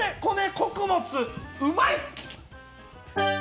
穀物、うまい。